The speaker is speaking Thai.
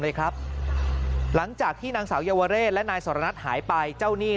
เลยครับหลังจากที่นางสาวเยาวเรศและนายสรณัฐหายไปเจ้าหนี้